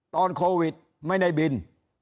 ตอนโควิดไม่ได้บิน